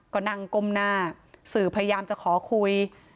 ก็นั่งก้มหน้าสื่อพยายามจะขอคุย